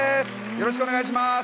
よろしくお願いします。